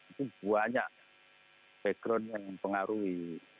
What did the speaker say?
itu banyak background yang mempengaruhi